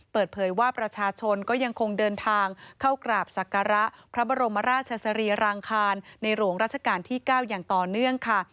เปิดเผยว่าประชาชนก็ยังคงเดินทางเข้ากราบศักระพระบรมราชสรีรางคารในหลวงราชการที่๙อย่างต่อเนื่องค่ะ